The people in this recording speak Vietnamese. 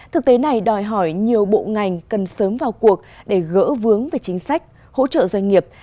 thực tế này đòi hỏi nhiều bộ ngành cần sớm vào cuộc để gỡ vướng về chính sách hỗ trợ doanh nghiệp